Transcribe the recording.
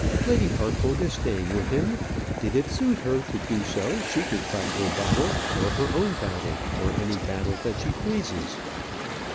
Lady Harcourt is staying with him. Did it suit her to do so, she could fight your battle, or her own battle, or any battle that she pleases."